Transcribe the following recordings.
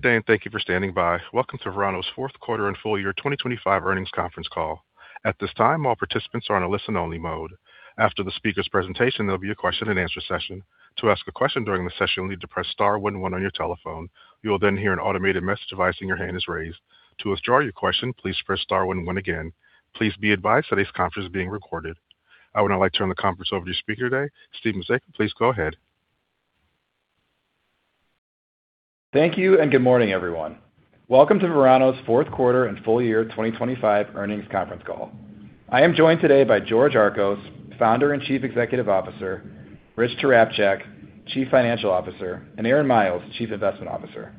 Good day, and thank you for standing by. Welcome to Verano's Q4 and full year 2025 earnings conference call. At this time, all participants are in a listen-only mode. After the speaker's presentation, there'll be a question-and-answer session. To ask a question during the session, you'll need to press star one one on your telephone. You will then hear an automated message advising your hand is raised. To withdraw your question, please press star one one again. Please be advised today's conference is being recorded. I would now like to turn the conference over to your speaker today, Steve Mazeika. Please go ahead. Thank you and good morning, everyone. Welcome to Verano's Q4 and full year 2025 earnings conference call. I am joined today by George Archos, Founder and Chief Executive Officer, Rich Tarapchak, Chief Financial Officer, and Aaron Miles, Chief Investment Officer.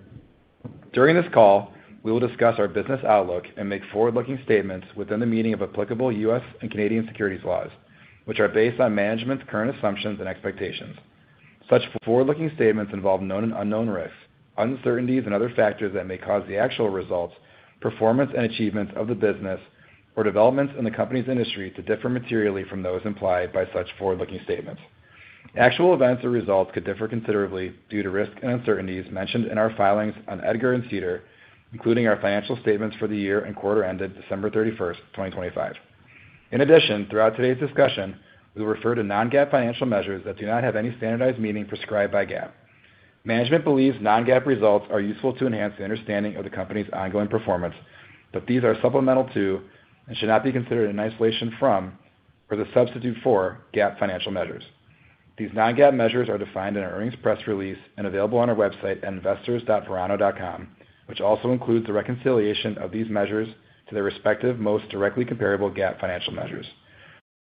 During this call, we will discuss our business outlook and make forward-looking statements within the meaning of applicable U.S., and Canadian securities laws, which are based on management's current assumptions and expectations. Such forward-looking statements involve known and unknown risks, uncertainties and other factors that may cause the actual results, performance and achievements of the business or developments in the company's industry to differ materially from those implied by such forward-looking statements. Actual events or results could differ considerably due to risks and uncertainties mentioned in our filings on EDGAR and SEDAR, including our financial statements for the year and quarter ended December 31st, 2025. In addition, throughout today's discussion, we'll refer to non-GAAP financial measures that do not have any standardized meaning prescribed by GAAP. Management believes non-GAAP results are useful to enhance the understanding of the company's ongoing performance, but these are supplemental to and should not be considered in isolation from or the substitute for, GAAP financial measures. These non-GAAP measures are defined in our earnings press release and available on our website at investors.verano.com, which also includes the reconciliation of these measures to their respective most directly comparable GAAP financial measures.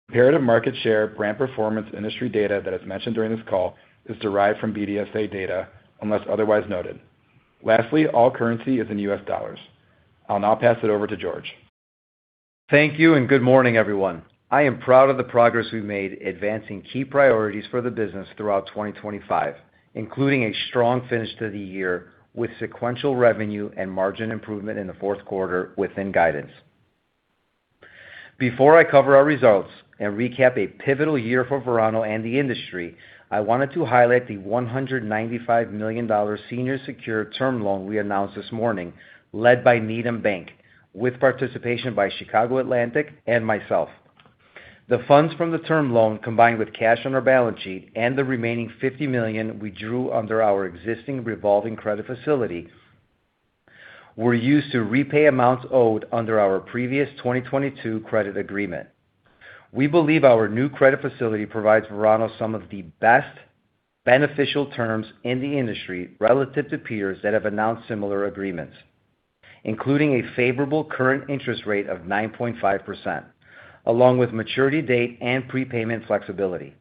Comparative market share, brand performance, industry data that is mentioned during this call is derived from BDSA data unless otherwise noted. Lastly, all currency is in U.S., dollars. I'll now pass it over to George. Thank you and good morning, everyone. I am proud of the progress we've made advancing key priorities for the business throughout 2025, including a strong finish to the year with sequential revenue and margin improvement in the Q4 within guidance. Before I cover our results and recap a pivotal year for Verano and the industry, I wanted to highlight the $195 million senior secured term loan we announced this morning, led by Needham Bank, with participation by Chicago Atlantic and myself. The funds from the term loan, combined with cash on our balance sheet and the remaining $50 million we drew under our existing revolving credit facility, were used to repay amounts owed under our previous 2022 credit agreement. We believe our new credit facility provides Verano some of the best beneficial terms in the industry relative to peers that have announced similar agreements, including a favorable current interest rate of 9.5%, along with maturity date and prepayment flexibility.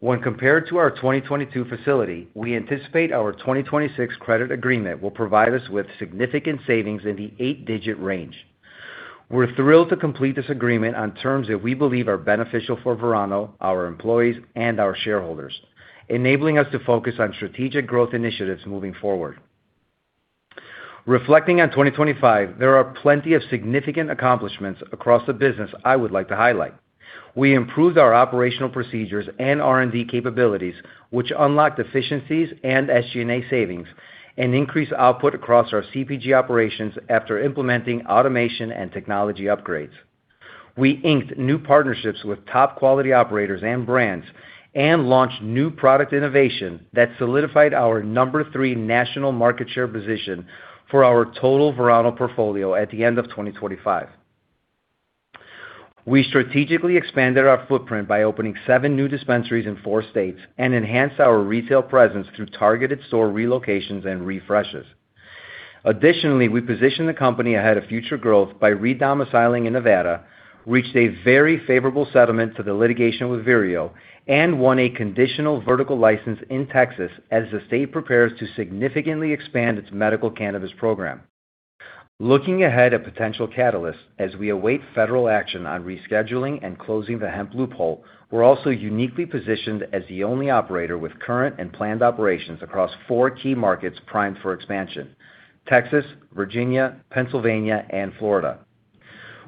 When compared to our 2022 facility, we anticipate our 2026 credit agreement will provide us with significant savings in the eight-digit range. We're thrilled to complete this agreement on terms that we believe are beneficial for Verano, our employees and our shareholders, enabling us to focus on strategic growth initiatives moving forward. Reflecting on 2025, there are plenty of significant accomplishments across the business I would like to highlight. We improved our operational procedures and R&D capabilities, which unlocked efficiencies and SG&A savings and increased output across our CPG operations after implementing automation and technology upgrades. We inked new partnerships with top-quality operators and brands and launched new product innovation that solidified our number three national market share position for our total Verano portfolio at the end of 2025. We strategically expanded our footprint by opening seven new dispensaries in four states and enhanced our retail presence through targeted store relocations and refreshes. Additionally, we positioned the company ahead of future growth by re-domiciling in Nevada, reached a very favorable settlement to the litigation with Vireo, and won a conditional vertical license in Texas as the state prepares to significantly expand its medical cannabis program. Looking ahead at potential catalysts, as we await federal action on rescheduling and closing the hemp loophole, we're also uniquely positioned as the only operator with current and planned operations across four key markets primed for expansion, Texas, Virginia, Pennsylvania and Florida.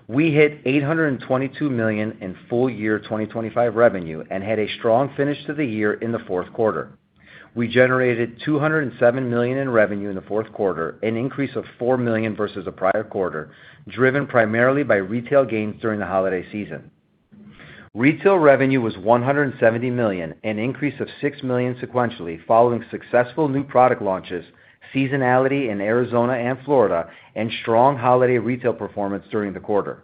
We hit $822 million in full year 2025 revenue and had a strong finish to the year in the Q4. We generated $207 million in revenue in the Q4, an increase of $4 million versus the prior quarter, driven primarily by retail gains during the holiday season. Retail revenue was $170 million, an increase of $6 million sequentially following successful new product launches, seasonality in Arizona and Florida, and strong holiday retail performance during the quarter.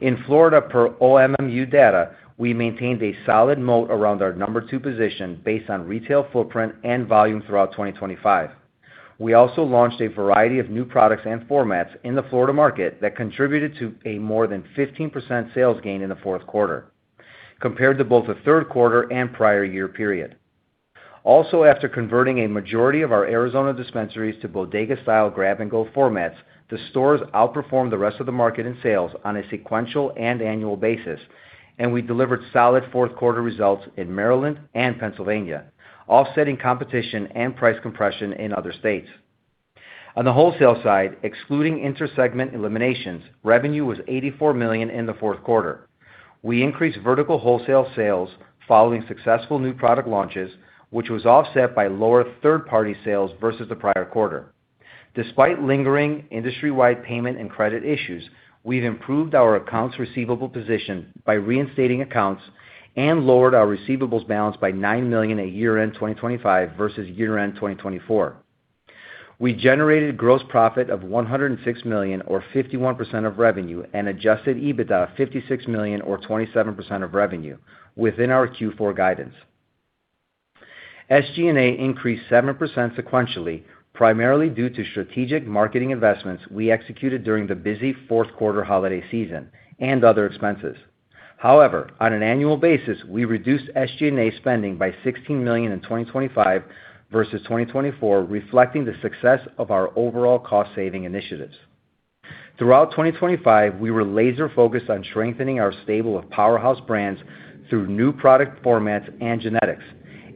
In Florida, per OMMU data, we maintained a solid moat around our number two position based on retail footprint and volume throughout 2025. We also launched a variety of new products and formats in the Florida market that contributed to a more than 15% sales gain in the fourth quarter compared to both the third quarter and prior year period. Also, after converting a majority of our Arizona dispensaries to bodega-style grab-and-go formats, the stores outperformed the rest of the market in sales on a sequential and annual basis and we delivered solid fourth quarter results in Maryland and Pennsylvania, offsetting competition and price compression in other states. On the wholesale side, excluding intersegment eliminations, revenue was $84 million in the Q4. We increased vertical wholesale sales following successful new product launches, which was offset by lower third-party sales versus the prior quarter. Despite lingering industry-wide payment and credit issues, we've improved our accounts receivable position by reinstating accounts and lowered our receivables balance by $9 million at year-end 2025 versus year-end 2024. We generated gross profit of $106 million or 51% of revenue and adjusted EBITDA of $56 million or 27% of revenue within our Q4 guidance. SG&A increased 7% sequentially, primarily due to strategic marketing investments we executed during the busy Q4 holiday season and other expenses. However, on an annual basis, we reduced SG&A spending by $16 million in 2025 versus 2024, reflecting the success of our overall cost-saving initiatives. Throughout 2025, we were laser-focused on strengthening our stable of powerhouse brands through new product formats and genetics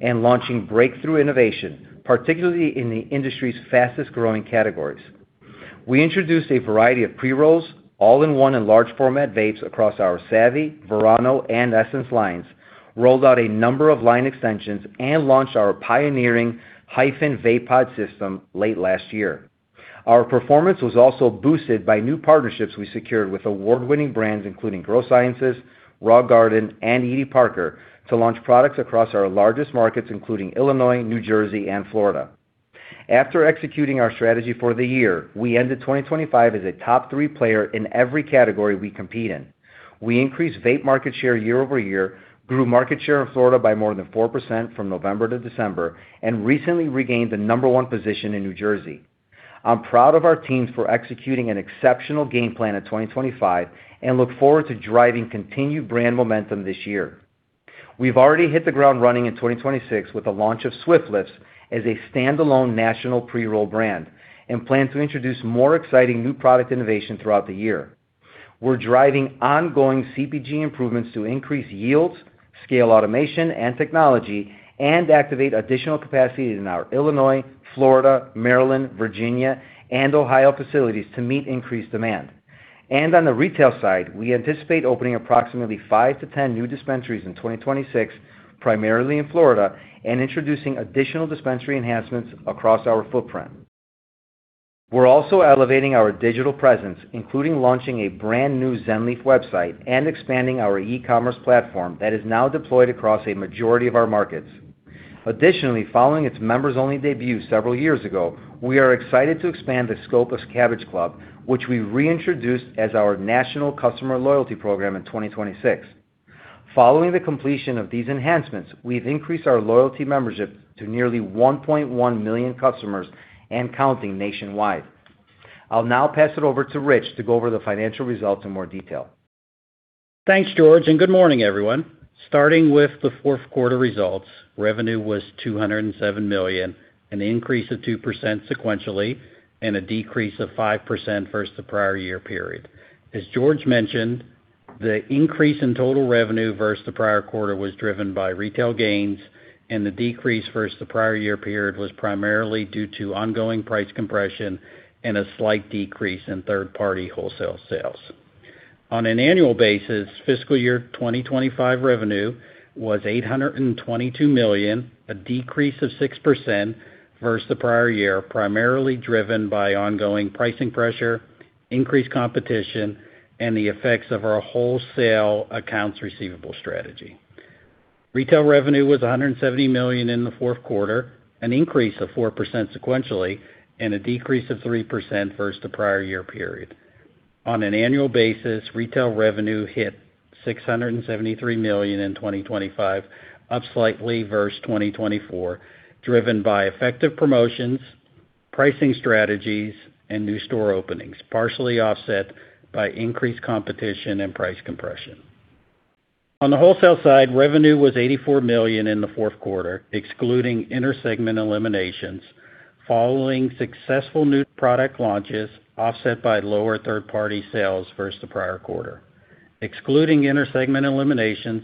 and launching breakthrough innovation, particularly in the industry's fastest-growing categories. We introduced a variety of pre-rolls, all-in-one and large format vapes across our Savvy, Verano and Essence lines, rolled out a number of line extensions and launched our pioneering Hyphen Vape Pod system late last year. Our performance was also boosted by new partnerships we secured with award-winning brands including Grow Sciences, Raw Garden and Edie Parker to launch products across our largest markets, including Illinois, New Jersey and Florida. After executing our strategy for the year, we ended 2025 as a top three player in every category we compete in. We increased vape market share year-over-year, grew market share in Florida by more than 4% from November to December and recently regained the number one position in New Jersey. I'm proud of our teams for executing an exceptional game plan in 2025 and look forward to driving continued brand momentum this year. We've already hit the ground running in 2026 with the launch of Swift Lifts as a standalone national pre-roll brand and plan to introduce more exciting new product innovation throughout the year. We're driving ongoing CPG improvements to increase yields, scale automation and technology, and activate additional capacity in our Illinois, Florida, Maryland, Virginia and Ohio facilities to meet increased demand. On the retail side, we anticipate opening approximately 5-10 new dispensaries in 2026, primarily in Florida, and introducing additional dispensary enhancements across our footprint. We're also elevating our digital presence, including launching a brand new Zen Leaf website and expanding our e-commerce platform that is now deployed across a majority of our markets. Additionally, following its members-only debut several years ago, we are excited to expand the scope of Cabbage Club, which we reintroduced as our national customer loyalty program in 2026. Following the completion of these enhancements, we've increased our loyalty membership to nearly 1.1 million customers and counting nationwide. I'll now pass it over to Rich to go over the financial results in more detail. Thanks, George, and good morning, everyone. Starting with the Q4 results, revenue was $207 million, an increase of 2% sequentially and a decrease of 5% versus the prior year period. As George mentioned, the increase in total revenue versus the prior quarter was driven by retail gains and the decrease versus the prior year period was primarily due to ongoing price compression and a slight decrease in third-party wholesale sales. On an annual basis, fiscal year 2025 revenue was $822 million, a decrease of 6% versus the prior year, primarily driven by ongoing pricing pressure, increased competition and the effects of our wholesale accounts receivable strategy. Retail revenue was $170 million in the Q4, an increase of 4% sequentially and a decrease of 3% versus the prior year period. On an annual basis, retail revenue hit $673 million in 2025, up slightly versus 2024, driven by effective promotions, pricing strategies, and new store openings, partially offset by increased competition and price compression. On the wholesale side, revenue was $84 million in the Q4, excluding intersegment eliminations following successful new product launches offset by lower third-party sales versus the prior quarter. Excluding intersegment eliminations,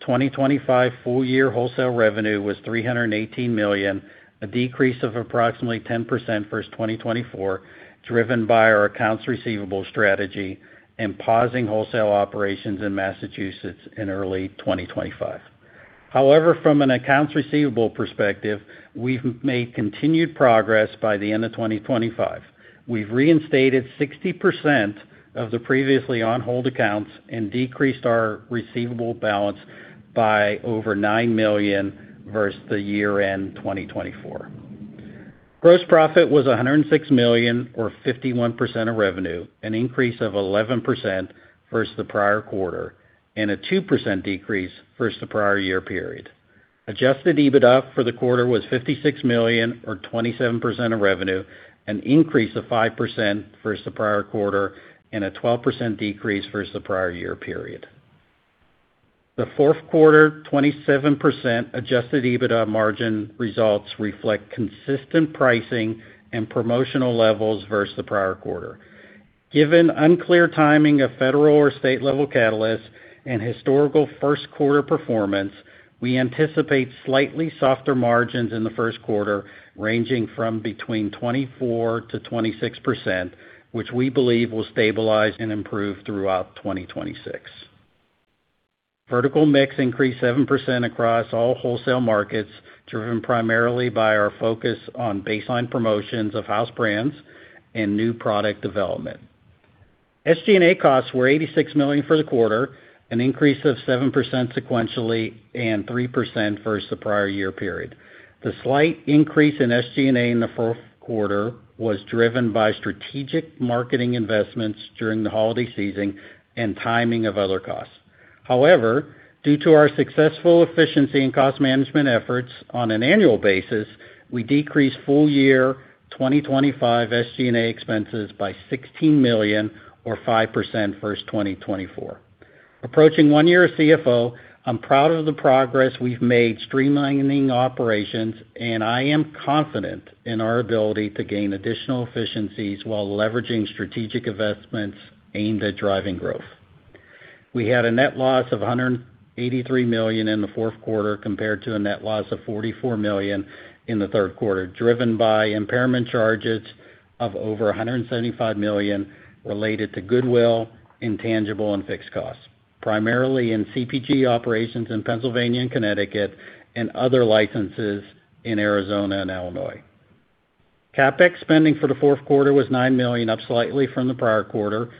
2025 full year wholesale revenue was $318 million, a decrease of approximately 10% versus 2024, driven by our accounts receivable strategy and pausing wholesale operations in Massachusetts in early 2025. However, from an accounts receivable perspective, we've made continued progress by the end of 2025. We've reinstated 60% of the previously on-hold accounts and decreased our receivable balance by over $9 million versus the year-end 2024. Gross profit was $106 million or 51% of revenue, an increase of 11% versus the prior quarter and a 2% decrease versus the prior year period. Adjusted EBITDA for the quarter was $56 million or 27% of revenue, an increase of 5% versus the prior quarter and a 12% decrease versus the prior year period. The Q4, 27% adjusted EBITDA margin results reflect consistent pricing and promotional levels versus the prior quarter. Given unclear timing of federal or state level catalysts and historical first quarter performance, we anticipate slightly softer margins in the first quarter, ranging from between 24%-26%, which we believe will stabilize and improve throughout 2026. Vertical mix increased 7% across all wholesale markets, driven primarily by our focus on baseline promotions of house brands and new product development. SG&A costs were $86 million for the quarter, an increase of 7% sequentially and 3% versus the prior year period. The slight increase in SG&A in the Q4 was driven by strategic marketing investments during the holiday season and timing of other costs. However, due to our successful efficiency and cost management efforts on an annual basis, we decreased full year 2025 SG&A expenses by $16 million or 5% versus 2024. Approaching one year as CFO, I'm proud of the progress we've made streamlining operations, and I am confident in our ability to gain additional efficiencies while leveraging strategic investments aimed at driving growth. We had a net loss of $183 million in the Q4 compared to a net loss of $44 million in the Q3, driven by impairment charges of over $175 million related to goodwill, intangible, and fixed costs, primarily in CPG operations in Pennsylvania and Connecticut and other licenses in Arizona and Illinois. CapEx spending for the Q4 was $9 million, up slightly from the prior quarter.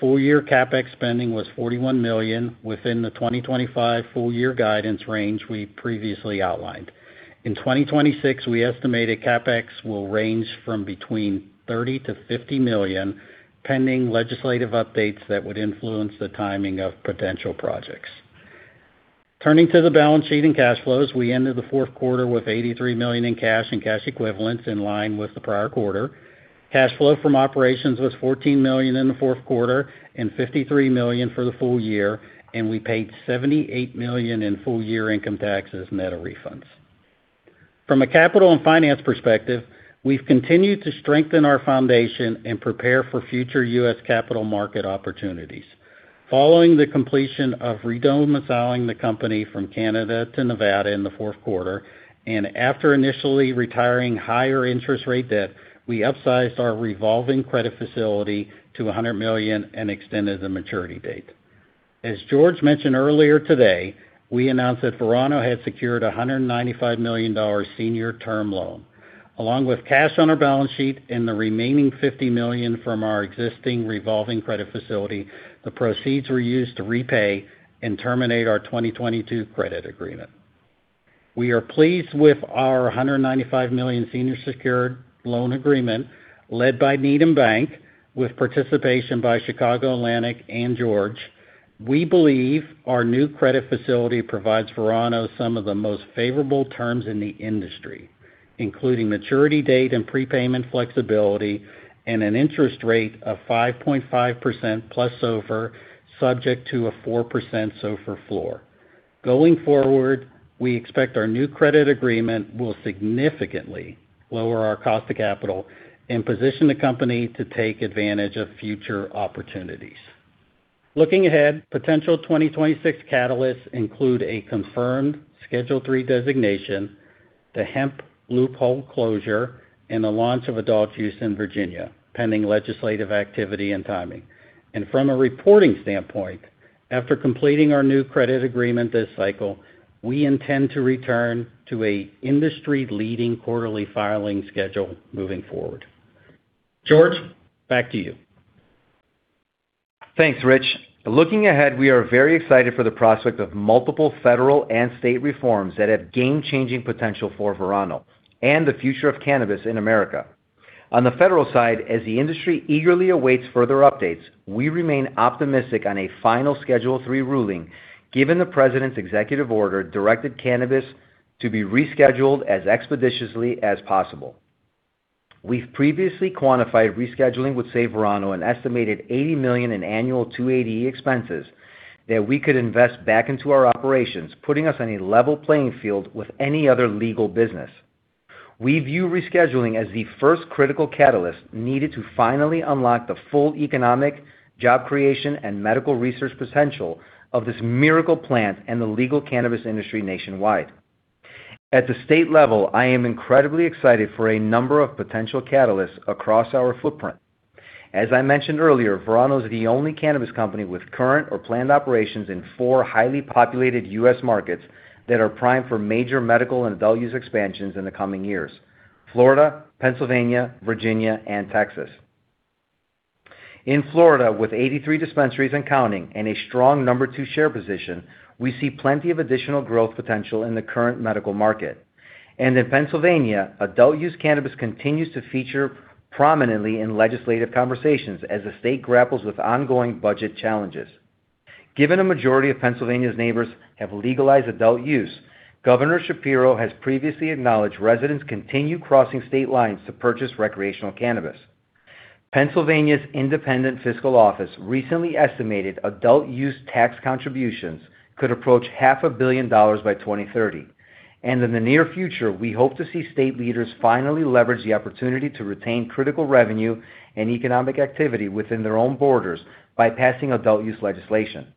Full-year CapEx spending was $41 million within the 2025 full-year guidance range we previously outlined. In 2026, we estimate CapEx will range from between $30 million-$50 million, pending legislative updates that would influence the timing of potential projects. Turning to the balance sheet and cash flows, we ended the fourth quarter with $83 million in cash and cash equivalents in line with the prior quarter. Cash flow from operations was $14 million in the Q4 and $53 million for the full year and we paid $78 million in full-year income taxes, net of refunds. From a capital and finance perspective, we've continued to strengthen our foundation and prepare for future U.S. capital market opportunities. Following the completion of re-domiciling the company from Canada to Nevada in the Q4 and after initially retiring higher interest rate debt, we upsized our revolving credit facility to $100 million and extended the maturity date. As George mentioned earlier today, we announced that Verano had secured a $195 million senior term loan. Along with cash on our balance sheet and the remaining $50 million from our existing revolving credit facility, the proceeds were used to repay and terminate our 2022 credit agreement. We are pleased with our $195 million senior secured loan agreement led by Needham Bank with participation by Chicago Atlantic and George. We believe our new credit facility provides Verano some of the most favorable terms in the industry, including maturity date and prepayment flexibility and an interest rate of 5.5% plus SOFR, subject to a 4% SOFR floor. Going forward, we expect our new credit agreement will significantly lower our cost of capital and position the company to take advantage of future opportunities. Looking ahead, potential 2026 catalysts include a confirmed Schedule III designation, the hemp loophole closure, and the launch of adult use in Virginia, pending legislative activity and timing. From a reporting standpoint, after completing our new credit agreement this cycle, we intend to return to an industry-leading quarterly filing schedule moving forward. George, back to you. Thanks, Rich. Looking ahead, we are very excited for the prospect of multiple federal and state reforms that have game-changing potential for Verano and the future of cannabis in America. On the federal side, as the industry eagerly awaits further updates, we remain optimistic on a final Schedule III ruling, given the president's executive order directed cannabis to be rescheduled as expeditiously as possible. We've previously quantified rescheduling would save Verano an estimated $80 million in annual 280E expenses that we could invest back into our operations, putting us on a level playing field with any other legal business. We view rescheduling as the first critical catalyst needed to finally unlock the full economic, job creation and medical research potential of this miracle plant and the legal cannabis industry nationwide. At the state level, I am incredibly excited for a number of potential catalysts across our footprint. As I mentioned earlier, Verano is the only cannabis company with current or planned operations in four highly populated U.S. markets that are primed for major medical and adult-use expansions in the coming years, Florida, Pennsylvania, Virginia, and Texas. In Florida, with 83 dispensaries and counting and a strong number two share position, we see plenty of additional growth potential in the current medical market. In Pennsylvania, adult-use cannabis continues to feature prominently in legislative conversations as the state grapples with ongoing budget challenges. Given a majority of Pennsylvania's neighbors have legalized adult use, Governor Shapiro has previously acknowledged residents continue crossing state lines to purchase recreational cannabis. Pennsylvania's Independent Fiscal Office recently estimated adult-use tax contributions could approach $500 million by 2030, and in the near future, we hope to see state leaders finally leverage the opportunity to retain critical revenue and economic activity within their own borders by passing adult-use legislation.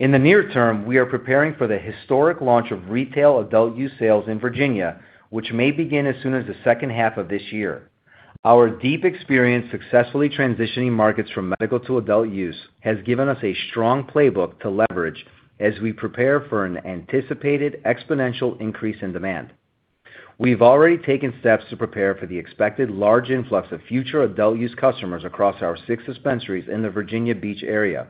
In the near term, we are preparing for the historic launch of retail adult use sales in Virginia, which may begin as soon as the second half of this year. Our deep experience successfully transitioning markets from medical to adult use has given us a strong playbook to leverage as we prepare for an anticipated exponential increase in demand. We've already taken steps to prepare for the expected large influx of future adult use customers across our six dispensaries in the Virginia Beach area,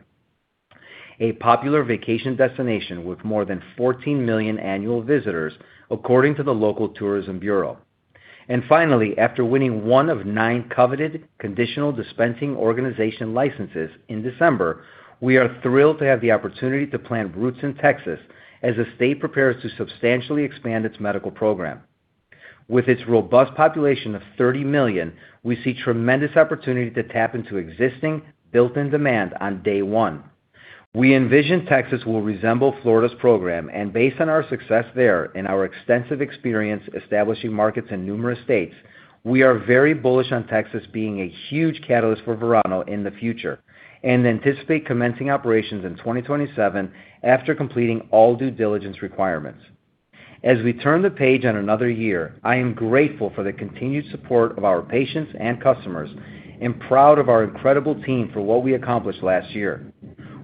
a popular vacation destination with more than 14 million annual visitors, according to the local tourism bureau. Finally, after winning one of nine coveted conditional dispensing organization licenses in December, we are thrilled to have the opportunity to plant roots in Texas as the state prepares to substantially expand its medical program. With its robust population of 30 million, we see tremendous opportunity to tap into existing built-in demand on day one. We envision Texas will resemble Florida's program, and based on our success there and our extensive experience establishing markets in numerous states, we are very bullish on Texas being a huge catalyst for Verano in the future, and anticipate commencing operations in 2027 after completing all due diligence requirements. As we turn the page on another year, I am grateful for the continued support of our patients and customers, and proud of our incredible team for what we accomplished last year.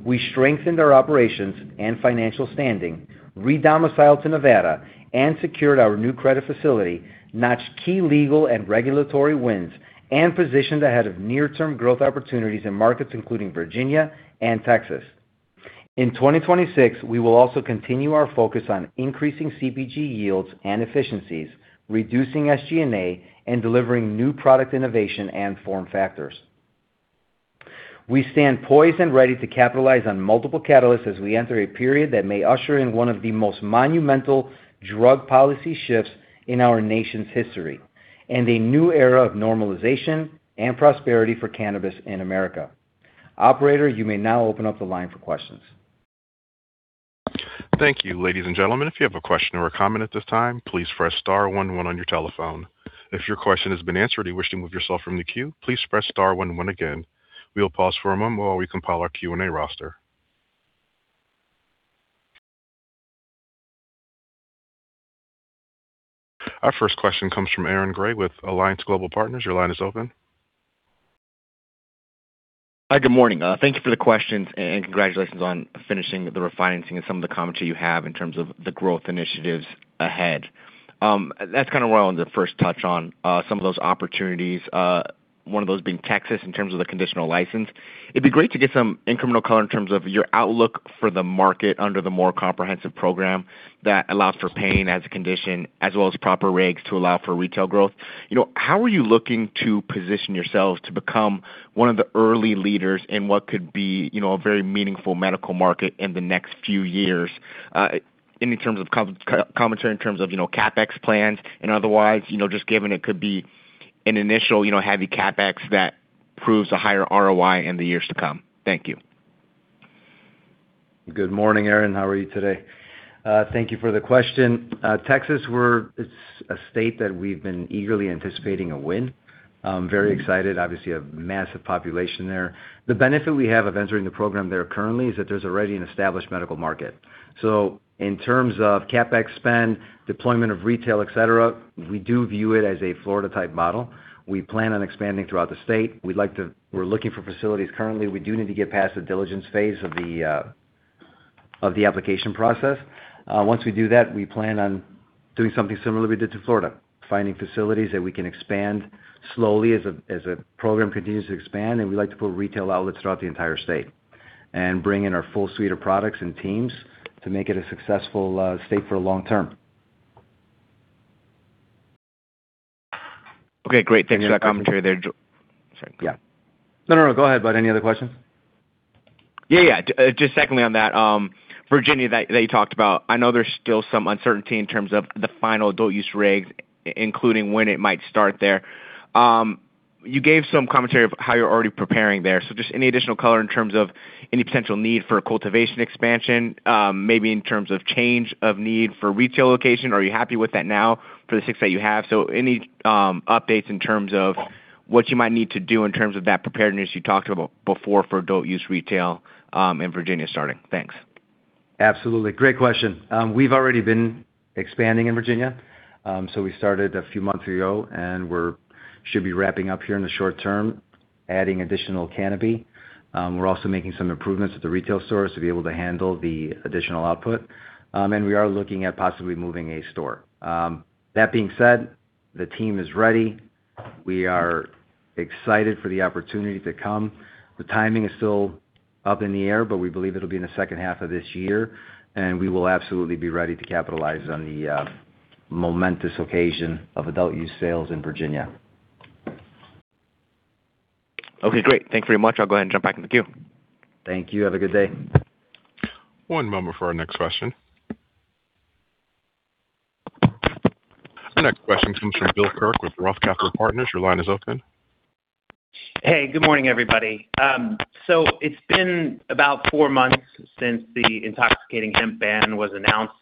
We strengthened our operations and financial standing, re-domiciled to Nevada and secured our new credit facility, notched key legal and regulatory wins, and positioned ahead of near-term growth opportunities in markets including Virginia and Texas. In 2026, we will also continue our focus on increasing CPG yields and efficiencies, reducing SG&A, and delivering new product innovation and form factors. We stand poised and ready to capitalize on multiple catalysts as we enter a period that may usher in one of the most monumental drug policy shifts in our nation's history and a new era of normalization and prosperity for cannabis in America. Operator, you may now open up the line for questions. Thank you. Ladies and gentlemen, if you have a question or a comment at this time, please press star one one on your telephone. If your question has been answered and you wish to move yourself from the queue, please press star one one again. We will pause for a moment while we compile our Q&A roster. Our first question comes from Aaron Grey with Alliance Global Partners. Your line is open. Hi, good morning. Thank you for the questions and congratulations on finishing the refinancing and some of the commentary you have in terms of the growth initiatives ahead. That's kind of where I want to first touch on some of those opportunities, one of those being Texas in terms of the conditional license. It'd be great to get some incremental color in terms of your outlook for the market under the more comprehensive program that allows for pain as a condition as well as proper regs to allow for retail growth. You know, how are you looking to position yourselves to become one of the early leaders in what could be, you know, a very meaningful medical market in the next few years, any terms of commentary in terms of, you know, CapEx plans and otherwise, you know, just given it could be an initial, you know, heavy CapEx that proves a higher ROI in the years to come? Thank you. Good morning, Aaron. How are you today? Thank you for the question. Texas, it's a state that we've been eagerly anticipating a win. Very excited. Obviously, a massive population there. The benefit we have of entering the program there currently is that there's already an established medical market. In terms of CapEx spend, deployment of retail, et cetera, we do view it as a Florida-type model. We plan on expanding throughout the state. We're looking for facilities currently. We do need to get past the diligence phase of the application process. Once we do that, we plan on doing something similar we did to Florida, finding facilities that we can expand slowly as a program continues to expand. We'd like to put retail outlets throughout the entire state and bring in our full suite of products and teams to make it a successful state for the long term. Okay, great. Thanks for that commentary there. Sorry. Yeah. No, no. Go ahead, bud. Any other questions? Yeah, yeah. Just secondly on that, Virginia that you talked about, I know there's still some uncertainty in terms of the final adult use regs, including when it might start there. You gave some commentary of how you're already preparing there. Just any additional color in terms of any potential need for cultivation expansion, maybe in terms of change of need for retail location. Are you happy with that now for the six that you have? Any updates in terms of what you might need to do in terms of that preparedness you talked about before for adult use retail in Virginia starting? Thanks. Absolutely. Great question. We've already been expanding in Virginia. We started a few months ago, and we should be wrapping up here in the short term, adding additional canopy. We're also making some improvements at the retail stores to be able to handle the additional output. We are looking at possibly moving a store. That being said, the team is ready. We are excited for the opportunity to come. The timing is still up in the air, but we believe it'll be in the second half of this year and we will absolutely be ready to capitalize on the momentous occasion of adult use sales in Virginia. Okay, great. Thank you very much. I'll go ahead and jump back in the queue. Thank you. Have a good day. One moment for our next question. The next question comes from Bill Kirk with Roth Capital Partners. Your line is open. Hey, good morning, everybody. It's been about four months since the intoxicating hemp ban was announced.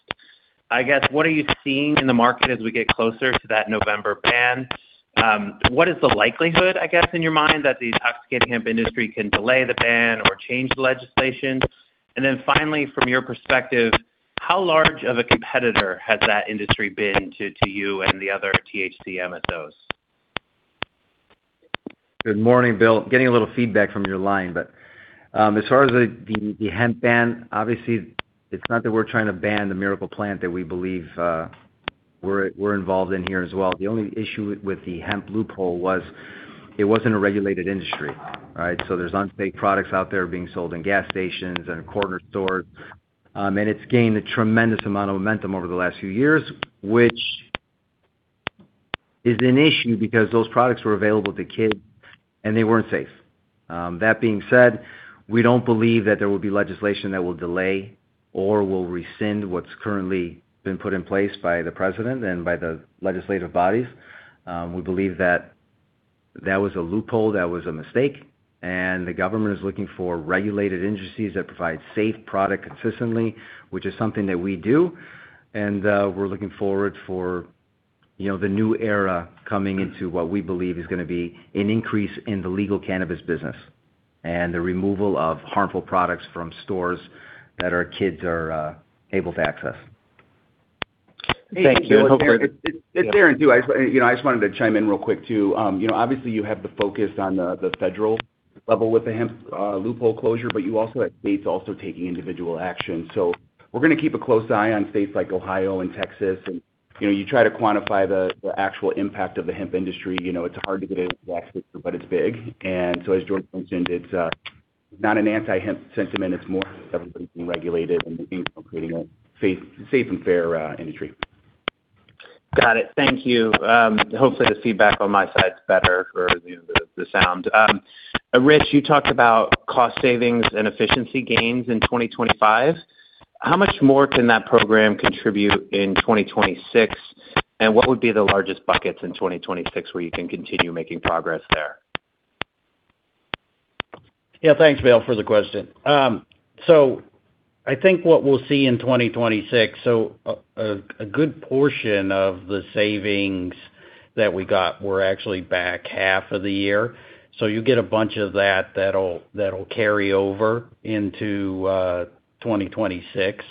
I guess, what are you seeing in the market as we get closer to that November ban? What is the likelihood, I guess, in your mind that the intoxicating hemp industry can delay the ban or change the legislation? Finally, from your perspective, how large of a competitor has that industry been to you and the other MSOs at those? Good morning, Bill. Getting a little feedback from your line, but as far as the hemp ban, obviously it's not that we're trying to ban the miracle plant that we believe we're involved in here as well. The only issue with the hemp loophole was it wasn't a regulated industry, right? So there's unsafe products out there being sold in gas stations and corner stores, and it's gained a tremendous amount of momentum over the last few years, which is an issue because those products were available to kids and they weren't safe. That being said, we don't believe that there will be legislation that will delay or will rescind what's currently been put in place by the president and by the legislative bodies. We believe that was a loophole, that was a mistake, and the government is looking for regulated industries that provide safe product consistently, which is something that we do. We're looking forward for, you know, the new era coming into what we believe is gonna be an increase in the legal cannabis business and the removal of harmful products from stores that our kids are able to access. Thank you. It's there too. You know, I just wanted to chime in real quick too. You know, obviously you have the focus on the federal level with the hemp loophole closure, but you also have states also taking individual action. We're gonna keep a close eye on states like Ohio and Texas. You know, you try to quantify the actual impact of the hemp industry. You know, it's hard to get into the actual picture, but it's big. As George mentioned, it's not an anti-hemp sentiment. It's more everybody being regulated and creating a safe and fair industry. Got it. Thank you. Hopefully the feedback on my side is better for the sound. Rich, you talked about cost savings and efficiency gains in 2025. How much more can that program contribute in 2026? What would be the largest buckets in 2026 where you can continue making progress there? Yeah. Thanks, Bill, for the question. I think what we'll see in 2026, a good portion of the savings that we got were actually back H1. You get a bunch of that that'll carry over into 2026.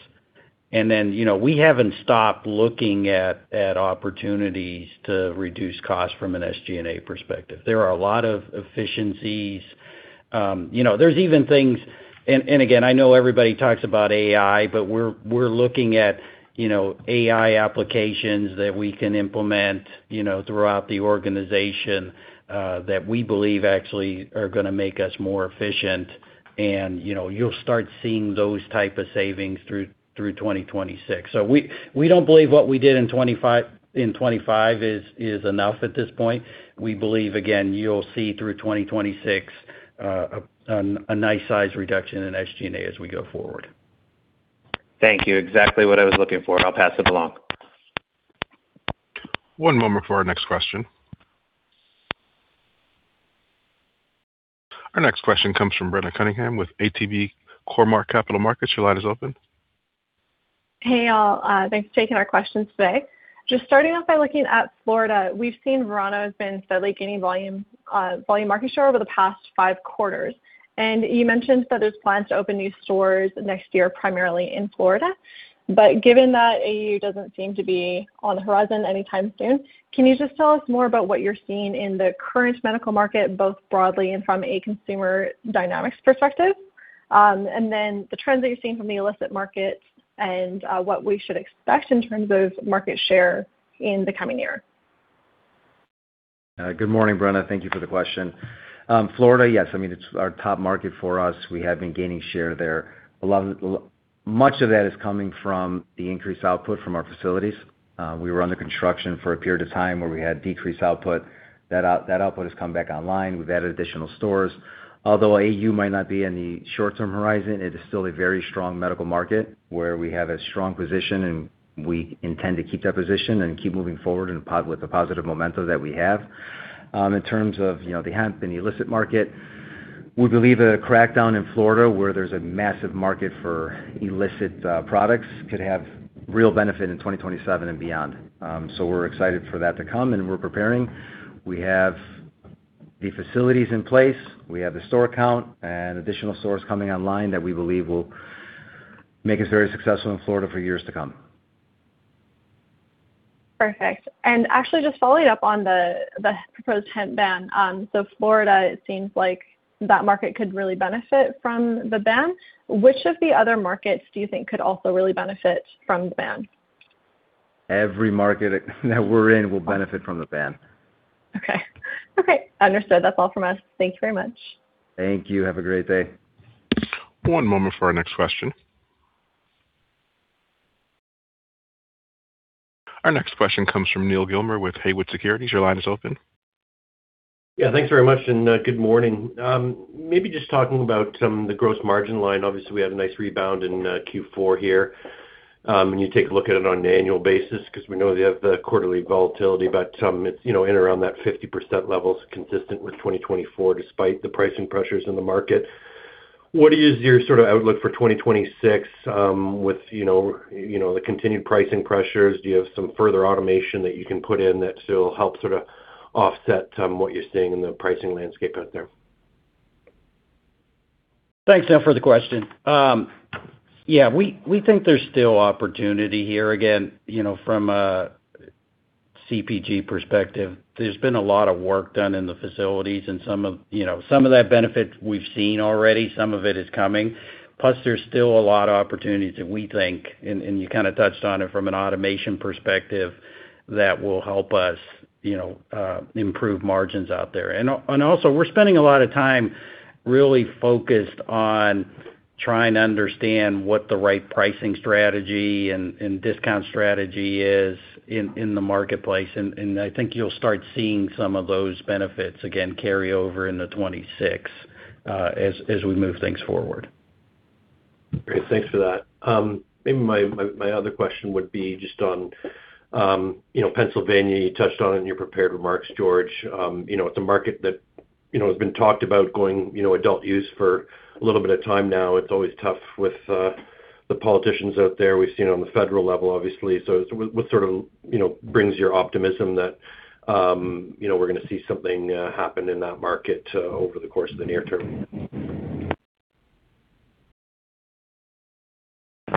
Then, you know, we haven't stopped looking at opportunities to reduce costs from an SG&A perspective. There are a lot of efficiencies. You know, there's even things. Again, I know everybody talks about AI, but we're looking at, you know, AI applications that we can implement, you know, throughout the organization, that we believe actually are gonna make us more efficient. You know, you'll start seeing those type of savings through 2026. We don't believe what we did in 2025 is enough at this point. We believe, again, you'll see through 2026 a nice size reduction in SG&A as we go forward. Thank you. Exactly what I was looking for. I'll pass it along. One moment for our next question. Our next question comes from Brenna Cunningham with ATB Capital Markets. Your line is open. Hey, y'all. Thanks for taking our questions today. Just starting off by looking at Florida, we've seen Verano has been steadily gaining volume market share over the past five quarters. You mentioned that there's plans to open new stores next year, primarily in Florida. Given that AU doesn't seem to be on the horizon anytime soon, can you just tell us more about what you're seeing in the current medical market, both broadly and from a consumer dynamics perspective? The trends that you're seeing from the illicit market and what we should expect in terms of market share in the coming year. Good morning, Brenna. Thank you for the question. Florida, yes. I mean, it's our top market for us. We have been gaining share there. Much of that is coming from the increased output from our facilities. We were under construction for a period of time where we had decreased output. That output has come back online. We've added additional stores. Although AU might not be in the short-term horizon, it is still a very strong medical market where we have a strong position, and we intend to keep that position and keep moving forward with the positive momentum that we have. In terms of, you know, the hemp and the illicit market, we believe a crackdown in Florida, where there's a massive market for illicit products, could have real benefit in 2027 and beyond. We're excited for that to come, and we're preparing. We have the facilities in place. We have the store count and additional stores coming online that we believe will make us very successful in Florida for years to come. Perfect. Actually, just following up on the proposed hemp ban. So Florida, it seems like that market could really benefit from the ban. Which of the other markets do you think could also really benefit from the ban? Every market that we're in will benefit from the ban. Okay. Okay, understood. That's all from us. Thank you very much. Thank you. Have a great day. One moment for our next question. Our next question comes from Neal Gilmer with Haywood Securities. Your line is open. Yeah. Thanks very much, and good morning. Maybe just talking about the gross margin line. Obviously, we had a nice rebound in Q4 here. When you take a look at it on an annual basis, because we know they have the quarterly volatility, but it's, you know, in and around that 50% level is consistent with 2024, despite the pricing pressures in the market. What is your sort of outlook for 2026, with, you know, the continued pricing pressures? Do you have some further automation that you can put in that still help sort of offset what you're seeing in the pricing landscape out there? Thanks, Neal, for the question. Yeah. We think there's still opportunity here. Again, you know, from a CPG perspective, there's been a lot of work done in the facilities and some of that benefit we've seen already, some of it is coming. Plus there's still a lot of opportunities that we think, and you kinda touched on it from an automation perspective, that will help us, you know, improve margins out there. Also, we're spending a lot of time really focused on trying to understand what the right pricing strategy and discount strategy is in the marketplace. I think you'll start seeing some of those benefits again carry over into 2026, as we move things forward. Great. Thanks for that. Maybe my other question would be just on you know, Pennsylvania, you touched on in your prepared remarks, George. You know, it's a market that you know, has been talked about going you know, adult use for a little bit of time now. It's always tough with the politicians out there. We've seen on the federal level, obviously. What sort of you know, brings your optimism that you know, we're gonna see something happen in that market over the course of the near term?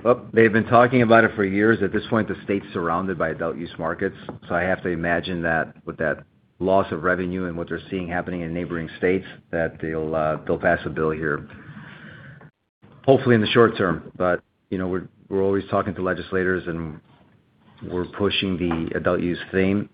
Well, they've been talking about it for years. At this point, the state's surrounded by adult use markets, so I have to imagine that with that loss of revenue and what they're seeing happening in neighboring states, that they'll pass a bill here, hopefully in the short term. You know, we're always talking to legislators and we're pushing the adult use theme,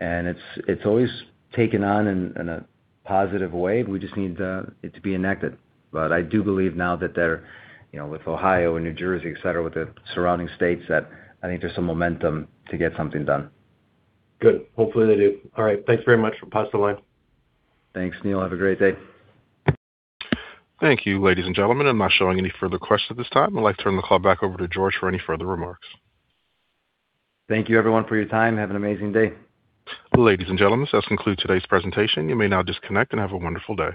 and it's always taken on in a positive way. We just need it to be enacted. I do believe now that they're, you know, with Ohio and New Jersey, et cetera, with the surrounding states, that I think there's some momentum to get something done. Good. Hopefully they do. All right. Thanks very much. I'll pass the line. Thanks, Neal. Have a great day. Thank you, ladies and gentlemen. I'm not showing any further questions at this time. I'd like to turn the call back over to George for any further remarks. Thank you everyone for your time. Have an amazing day. Ladies and gentlemen, this does conclude today's presentation. You may now disconnect and have a wonderful day.